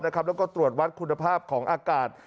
แล้วก็ตรวจวัดคุณภาพของอากาศ